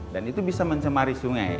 dan itu bisa mencemari sungai